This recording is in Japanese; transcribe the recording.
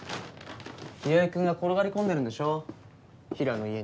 清居君が転がり込んでるんでしょ平良の家に。